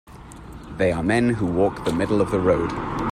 They are men who walk the middle of the road.